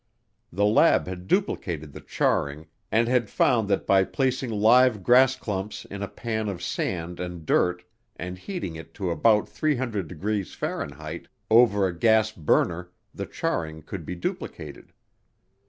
The lab had duplicated the charring and had found that by placing live grass clumps in a pan of sand and dirt and heating it to about 300 degrees F. over a gas burner the charring could be duplicated.